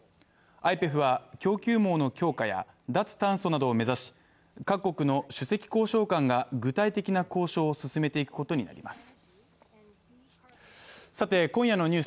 ＩＰＥＦは「供給網の強化」や「脱炭素」などを目指し各国の首席交渉官が具体的な交渉を進めていくことになります。